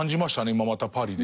今またパリで。